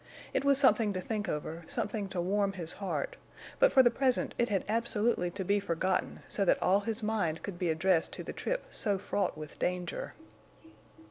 It was something to think over, something to warm his heart, but for the present it had absolutely to be forgotten so that all his mind could be addressed to the trip so fraught with danger.